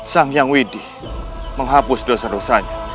sang yang widih menghapus dosa dosanya